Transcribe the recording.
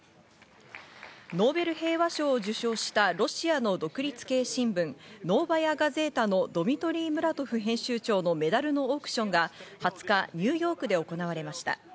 ノーベル平和賞を受賞したロシアの独立系新聞、ノーバヤ・ガゼータのドミトリー・ムラトフ編集長のメダルのオークションが２０日、ニューヨークで行われました。